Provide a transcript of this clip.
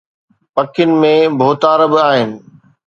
پکين ۾ ڀوتار به آهن